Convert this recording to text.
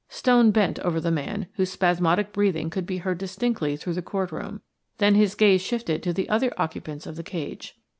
Stone bent over the man, whose spasmodic breathing could be heard distinctly through the court room, then his gaze shifted to the other occupants of the cage.